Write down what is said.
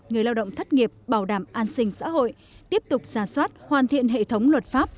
người lao động thất nghiệp bảo đảm an sinh xã hội tiếp tục ra soát hoàn thiện hệ thống luật pháp